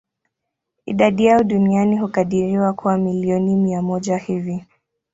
Idadi yao duniani hukadiriwa kuwa milioni mia moja hivi.